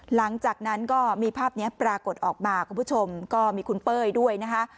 หลังจากนั้นก็มีภาพนี้ปรากฏออกมาคุณผู้ชมก็มีคุณเป้ยด้วยนะคะ